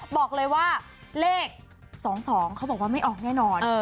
บอกเลยว่าเลข๒๒เขาบอกว่าไม่ออกแน่นอน